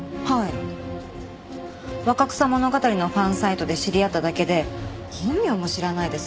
『若草物語』のファンサイトで知り合っただけで本名も知らないです。